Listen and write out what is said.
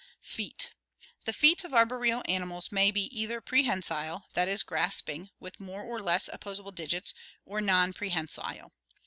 Feet. — The feet of arboreal animals may be either prehensile, that is, grasping, with more or less opposable digits, or non prehensile.